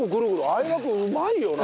相葉君うまいよな。